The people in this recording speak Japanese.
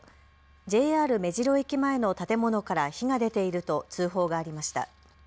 ＪＲ目白駅前の建物から火が出ていると通報がありました。